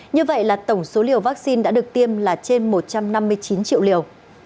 như vậy là tổng số liều vaccine đã được tiêm là trên một trăm năm mươi chín triệu liều